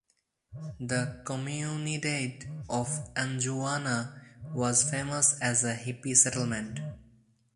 The "Comunidade" of Anjuna was famous as a hippie settlement.